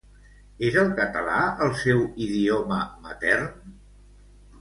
És el català el seu idioma matern?